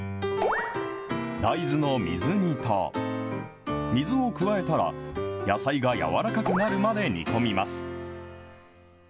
大豆の水煮と水を加えたら、野菜が軟らかくなるまで煮込みます。